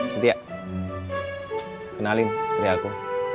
titi ya kenalin istri aku